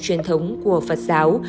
truyền thống của phật giáo